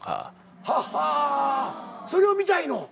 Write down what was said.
はっはそれを見たいの？